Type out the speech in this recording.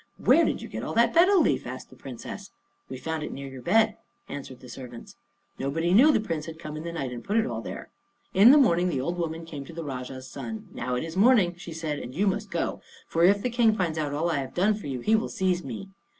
"Where did you get all that betel leaf?" asked the Princess. "We found it near your bed," answered the servants. Nobody knew the Prince had come in the night and put it all there. In the morning the old woman came to the Rajah's son. "Now it is morning," she said, "and you must go; for if the King finds out all I have done for you, he will seize me."